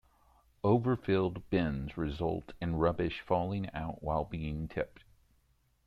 Overfilled bins result in rubbish falling out while being tipped.